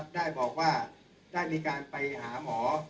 ได้บอกว่าได้มีการไปหาหมอ